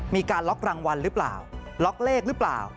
มีการล็อกรางวัลหรือเปล่าล็อกเลขหรือเปล่า